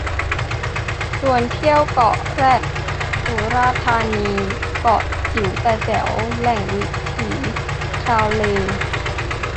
ชวนเที่ยวเกาะแรต สุราษฎร์ธานี เกาะจิ๋วแต่แจ๋ว แหล่งวิถีชีวิตชาวเล